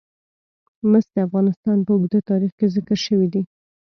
مس د افغانستان په اوږده تاریخ کې ذکر شوی دی.